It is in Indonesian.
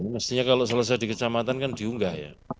mestinya kalau selesai di kecamatan kan diunggah ya